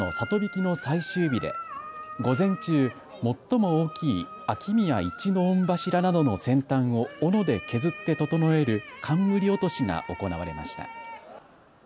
曳きの最終日で午前中、最も大きい秋宮一の御柱などの先端をおので削って整える冠落しが行われました。